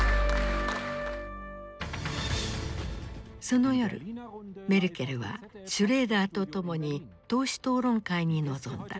その夜メルケルはシュレーダーと共に党首討論会に臨んだ。